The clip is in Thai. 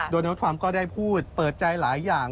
โดนัลดทรัมป์ก็ได้พูดเปิดใจหลายอย่าง